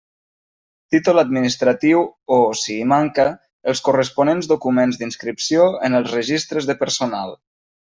Títol administratiu o, si hi manca, els corresponents documents d'inscripció en els registres de Personal.